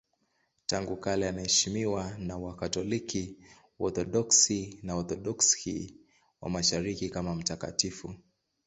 Tangu kale anaheshimiwa na Wakatoliki, Waorthodoksi na Waorthodoksi wa Mashariki kama mtakatifu.